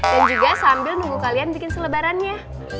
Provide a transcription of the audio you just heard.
dan juga sambil nunggu kalian bikin selebarannya